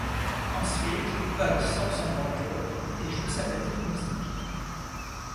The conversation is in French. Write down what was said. Ensuite, Bugs sort son banjo et joue sa petite musique.